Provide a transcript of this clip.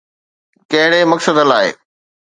ڪهڙي مقصد لاءِ؟